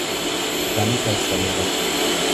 زن کج سلیقه